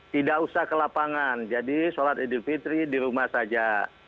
tidak usah ke lapangan jadi sholat idul fitri di rumah saja